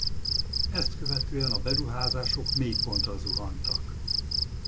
Ezt követően a beruházások mélypontra zuhantak.